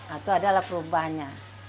itu adalah perubahnya